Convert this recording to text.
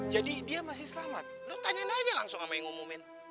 jadi dia masih selamat lo tanyain aja langsung sama yang ngumumin